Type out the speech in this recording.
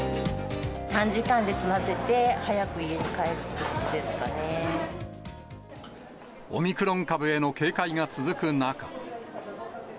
短時間で済ませて、オミクロン株への警戒が続く中。